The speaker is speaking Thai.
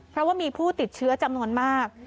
เพราะว่ามีผู้ติดเชื้อจำนวนมาก